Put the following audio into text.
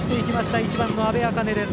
１番の阿部明音です。